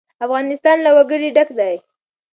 افغانستان له وګړي ډک دی.